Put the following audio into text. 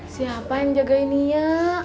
siapa yang jaga dia